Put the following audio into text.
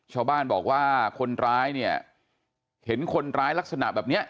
ชาวบ้านบอกว่าคนร้ายเนี่ยเห็นคนร้ายลักษณะแบบเนี้ย